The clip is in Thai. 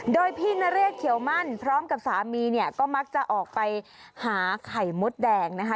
โดยพี่นเรศเขียวมั่นพร้อมกับสามีเนี่ยก็มักจะออกไปหาไข่มดแดงนะคะ